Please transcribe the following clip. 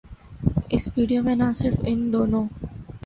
اس video میں نہ صرف ان دونوں